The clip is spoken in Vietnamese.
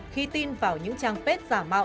khi tin vào những trang web giả mạo